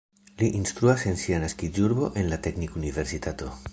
Li instruas en sia naskiĝurbo en la teknikuniversitato.